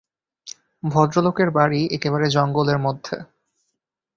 ভদ্রলোকের বাড়ি একেবারে জঙ্গলের মধ্যে।